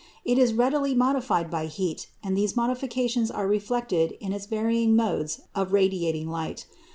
It is readily modified by heat, and these modifications are reflected in its varying modes of radiating light.